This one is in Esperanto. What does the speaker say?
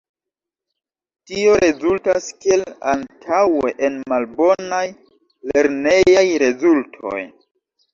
Tio rezultas kiel antaŭe en malbonaj lernejaj rezultoj.